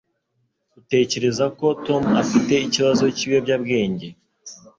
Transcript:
Utekereza ko Tom afite ikibazo cyibiyobyabwenge